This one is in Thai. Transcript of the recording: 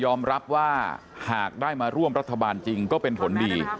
รับว่าหากได้มาร่วมรัฐบาลจริงก็เป็นผลดี